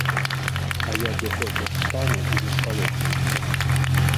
А я дзе хочаш стану і не спалохаюся.